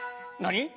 何？